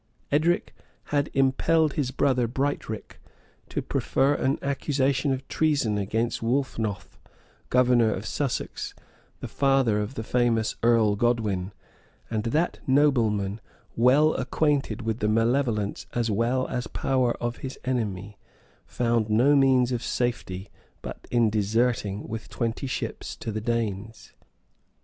Edric had impelled his brother Brightric to prefer an accusation of treason against Wolfnoth, governor of Sussex, the father of the famous Earl Godwin; and that nobleman, well acquainted with the malevolence as well as power of his enemy, found no means of safety Dut in deserting with twenty ships to the Danes.